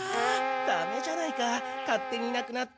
ダメじゃないか勝手にいなくなって。